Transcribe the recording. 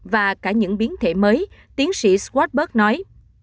và cả những biến thể mới tiến sĩ squatberg nói